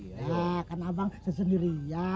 karena abang sesendiri